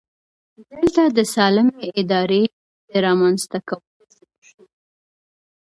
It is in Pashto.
دلته د سالمې ادارې د رامنځته کولو ذکر شوی دی.